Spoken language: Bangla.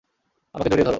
আমাকে জড়িয়ে ধরো!